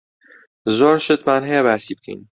زۆر شتمان هەیە باسی بکەین.